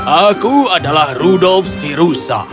aku adalah rudolf si rusa